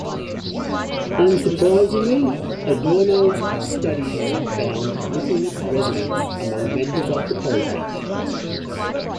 Unsurprisingly, Adorno's studies found little resonance among members of the project.